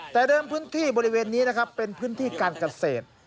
แต่เดิมพื้นที่บริเวณนี้นะครับเป็นพื้นที่การเกษตร